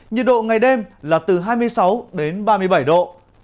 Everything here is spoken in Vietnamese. nhiệt độ ngày đêm là từ hai mươi sáu đến ba mươi bảy độ